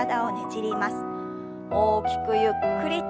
大きくゆっくりと。